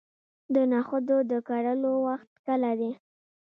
د نخودو د کرلو وخت کله دی؟